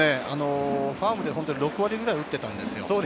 ファームで６割ぐらい打っていたんですよ。